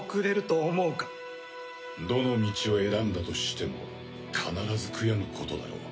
どの道を選んだとしても必ず悔やむことだろう。